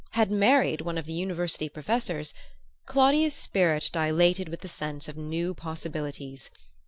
had married one of the University professors Claudia's spirit dilated with the sense of new possibilities.